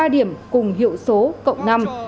ba điểm cùng hiệu số cộng năm